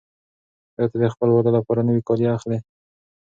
آیا ته د خپل واده لپاره نوي کالي اخلې؟